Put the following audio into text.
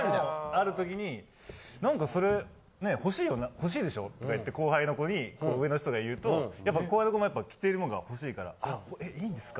ある時に「なんかそれねえ欲しいよな？欲しいでしょ？」とか言って後輩の子にこう上の人が言うとやっぱ後輩の子もやっぱ着ているもんが欲しいから「あえっいいんですか？」